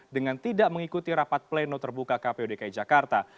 dengan tidak mengikuti rapat pleno terbuka kpu dki jakarta